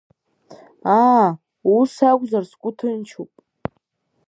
Аа, ус акәзар сгәы ҭынчуп…